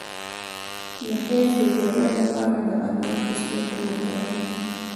د حیض د زیاتوالي لپاره د انار پوستکی وکاروئ